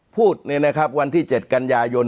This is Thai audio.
พูดเนี่ยนะครับวันที่๗กันยายน